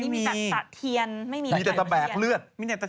มีแต่ตะแบกเลือด